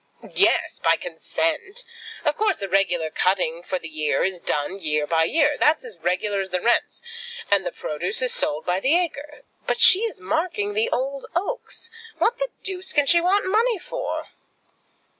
"Yes; by consent. Of course the regular cutting for the year is done, year by year. That's as regular as the rents, and the produce is sold by the acre. But she is marking the old oaks. What the deuce can she want money for?"